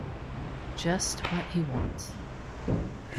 Just what he wants.